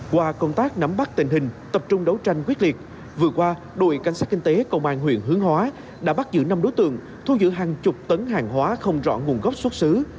qua công tác nắm bắt tình hình tập trung đấu tranh quyết liệt vừa qua đội cảnh sát kinh tế công an huyện hướng hóa đã bắt giữ năm đối tượng thu giữ hàng chục tấn hàng hóa không rõ nguồn gốc xuất xứ